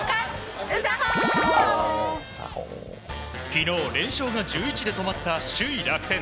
昨日、連勝が１１で止まった首位、楽天。